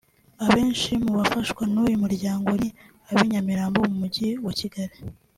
Abenshi mu bafashwa n’uyu muryango ni ab’ i Nyamirambo mu mujyi wa Kigali